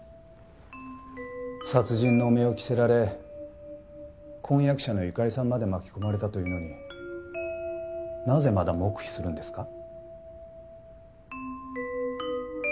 殺人の汚名を着せられ婚約者の由香利さんまで巻き込まれたというのになぜまだ黙秘するんですか？